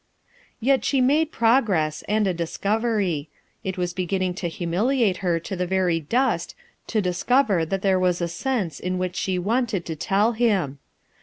Yet she made progress, and a discovery. It was beginning to humiliate her to the very dust to discover that there was a sense in which she wanted to tell him!